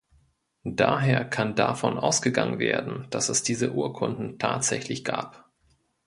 Daher kann davon ausgegangen werden, dass es diese Urkunden tatsächlich gab.